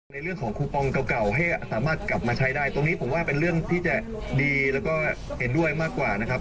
ในเรื่องของคูปองเก่าให้สามารถกลับมาใช้ได้ตรงนี้ผมว่าเป็นเรื่องที่จะดีแล้วก็เห็นด้วยมากกว่านะครับ